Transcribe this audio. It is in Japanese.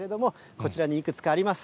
こちらにいくつかあります。